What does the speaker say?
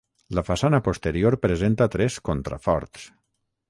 La façana posterior presenta tres contraforts.